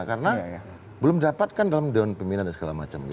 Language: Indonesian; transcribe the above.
karena belum dapatkan dalam daun peminat dan segala macam